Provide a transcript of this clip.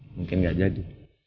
mungkin gak jadi